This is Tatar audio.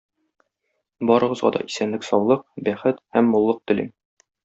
Барыгызга да исәнлек-саулык, бәхет һәм муллык телим!